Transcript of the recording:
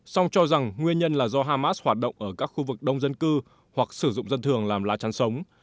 song cho rằng nguyên nhân là do hamas hoạt động ở các khu vực đông dân cư hoặc sử dụng dân thường làm lá chắn sống